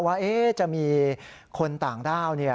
ว่าจะมีคนต่างด้าว